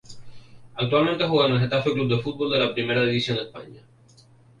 Actualmente juega en el Getafe C. F. de la Primera División de España.